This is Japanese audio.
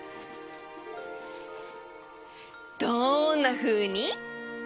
どんなふうに？